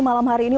malam hari ini